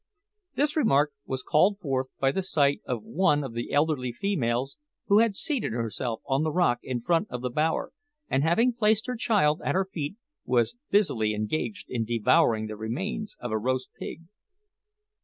This remark was called forth by the sight of one of the elderly females, who had seated herself on the rock in front of the bower, and having placed her child at her feet, was busily engaged in devouring the remains of a roast pig.